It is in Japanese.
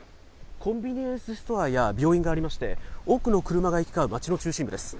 コンビニエンスストアや病院がありまして、多くの車が行き交う町の中心部です。